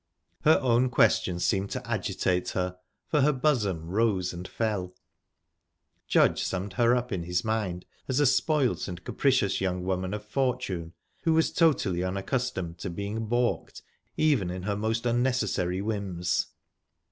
Her own question seemed to agitate her, for her bosom rose and fell. Judge summed her up in his mind as a spoilt and capricious young woman of fortune, who was totally unaccustomed to being baulked even in her most unnecessary whims.